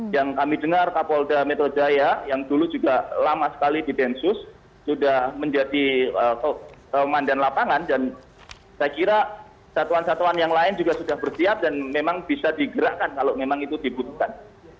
yang kami dengar kapolda metro jaya yang dulu juga lama sekali di densus sudah menjadi mandan lapangan dan saya kira satuan satuan yang lain juga sudah bersiap dan memang bisa digerakkan kalau memang itu dibutuhkan